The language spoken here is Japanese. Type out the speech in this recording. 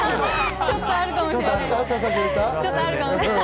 ちょっとあるかもしれない。